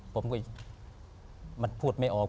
ผมก็มันพูดไม่ออก